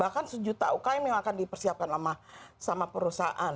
bahkan sejuta ukm yang akan dipersiapkan sama perusahaan